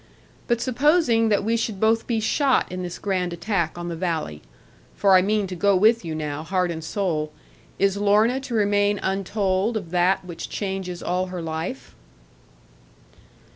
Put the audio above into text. But supposing that we should both be shot in this grand attack on the valley (for I mean to go with you now, heart and soul), is Lorna to remain untold of that which changes all her life?'